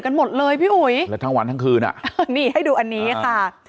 กันหมดเลยพี่อุ๋ยแล้วทั้งวันทั้งคืนอ่ะนี่ให้ดูอันนี้ค่ะ